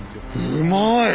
うまい！